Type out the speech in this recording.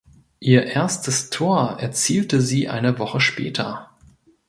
Ihr erstes Tor erzielte sie eine Woche später.